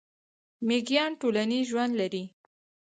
میږیان ټولنیز ژوند لري